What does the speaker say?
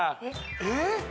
えっ？